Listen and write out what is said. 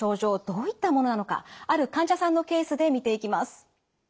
どういったものなのかある患者さんのケースで見ていきます。